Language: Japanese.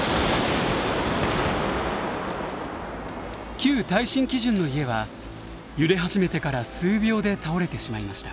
旧耐震基準の家は揺れ始めてから数秒で倒れてしまいました。